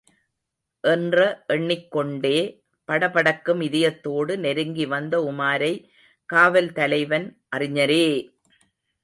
என்ற எண்ணிக் கொண்டே படபடக்கும் இதயத்தோடு நெருங்கி வந்த உமாரை காவல் தலைவன், அறிஞரே!